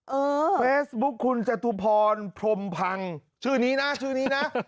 เฟซบุ๊คคุณจตุพรพรมพังชื่อนี้นะชื่อนี้นะ